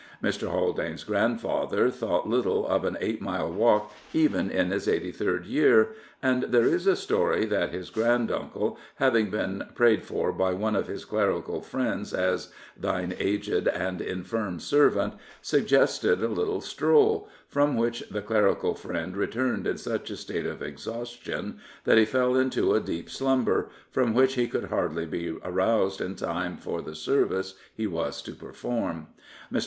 Mr. Haldane's grandfather thought little of an eight mile walk even in his eighty third year, and there is a story that his grand uncle, having been prayed for by one of his clerical friends as Thine aged and infirm servant," suggested 281 Prophets, Priests, and Kings a little stroll, from which the clerical friend returned in such a state of exhaustion that he fell into a deep slumber, from which he could hardly be aroused in time for the service he was to perform. Mr.